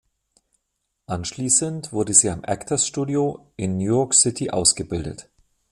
Anschließend wurde sie am Actors Studio in New York City ausgebildet.